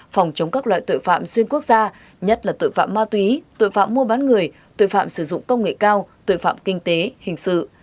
phòng chống các loại tội phạm xuyên quốc gia nhất là tội phạm ma túy tội phạm mua bán người tội phạm sử dụng công nghệ cao tội phạm kinh tế hình sự